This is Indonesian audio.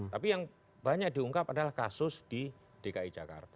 tapi yang banyak diungkap adalah kasus di dki jakarta